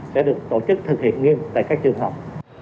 sẽ được tổ chức thực hiện nghiêm tại các trường học